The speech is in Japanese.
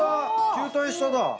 球体下だ。